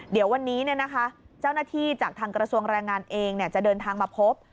เดี๋ยววันนี้เจ้าหน้าที่จากทางกระทรวงแรงงานเองจะเดินทางมาพบ